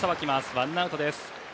ワンアウトです。